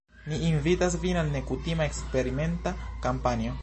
Ni invitas vin al nekutima, eksperimenta kampanjo.